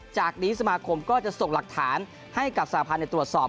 จากนี้สมาคมก็จะส่งหลักฐานให้กับสหพันธ์ตรวจสอบ